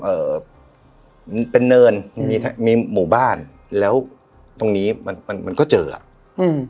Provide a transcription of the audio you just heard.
เอ่อมันเป็นเนินอืมมีมีหมู่บ้านแล้วตรงนี้มันมันมันก็เจออ่ะอืม